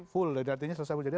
full artinya selesai